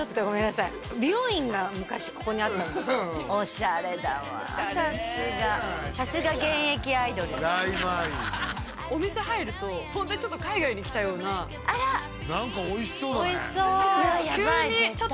さすが現役アイドルＬａｉＭａｉお店入るとホントにちょっと海外に来たようなあらっ何かおいしそうだねうわっ